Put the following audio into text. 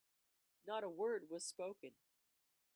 Not a word was spoken.